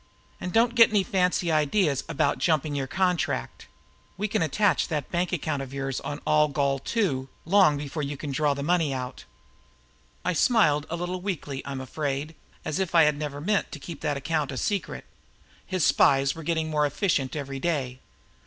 "And don't get any fancy ideas about jumping your contract. We can attach that bank account of yours on Algol II long before you could draw the money out." I smiled, a little weakly, I'm afraid, as if I had never meant to keep that account a secret. His spies were getting more efficient every day.